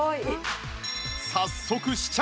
早速試着！